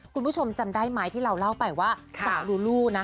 คุณผู้ชมจำได้ไหมที่เราเล่าไปว่าสาวลูลูนะ